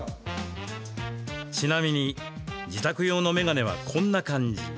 ちなみに自宅用の眼鏡はこんな感じ。